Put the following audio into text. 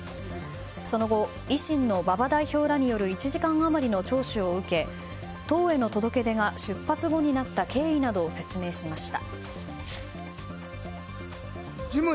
その後、維新の馬場代表らによる１時間余りの聴取を受け党への届け出が出発後になった経緯を説明しました。